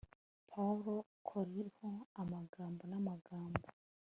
paulo coelho amagambo n'amagambo